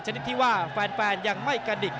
นิดที่ว่าแฟนยังไม่กระดิก